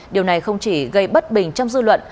điều này không chỉ gây bất bình trong dư luận